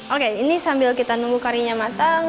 oke ini sambil kita nunggu karinya matang